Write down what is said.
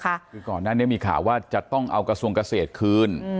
คือก่อนหน้านี้มีข่าวว่าจะต้องเอากระทรวงเกษตรคืน